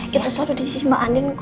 kita selalu di sisi mbak andien kok